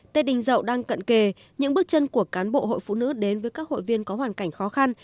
tết đình dậu đang cận kề những bước chân của cán bộ hội phụ nữ đến với các hội viên có hoàn cảnh khó khăn